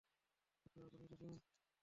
Doctor, আপনি এসেছেন।